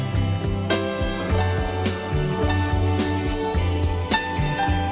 hẹn gặp lại